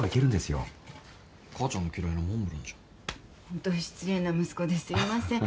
ホント失礼な息子ですいません。